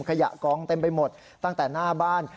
กองเต็มไปหมดตั้งแต่หน้าบ้าน